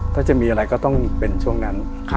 ถ้าจะมีอะไรก็ต้องเป็นช่วงนั้น